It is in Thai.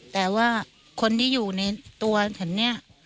แต่ว่าคนที่อยู่ในตัวฉันเนี่ย